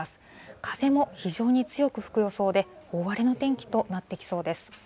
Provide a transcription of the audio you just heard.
風も非常に強く吹く予想で、大荒れの天気となってきそうです。